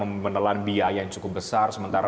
menelan biaya yang cukup besar sementara